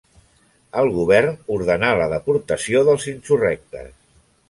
El govern ordenà la deportació dels insurrectes.